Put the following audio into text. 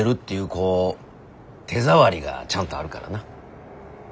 こう手触りがちゃんとあるからな。